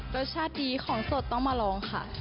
รสชาติดีของสดต้องมาลองค่ะ